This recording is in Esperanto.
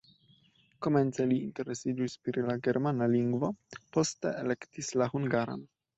Komence li interesiĝis pri la germana lingvo, poste elektis la hungaran.